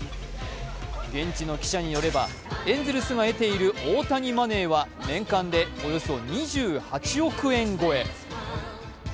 現地の記者によれば、エンゼルスが得ている大谷マネーは年間で、およそ２８億円超え。